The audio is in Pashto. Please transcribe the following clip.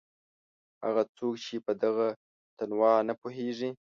هغه څوک چې په دغه تنوع نه پوهېږي.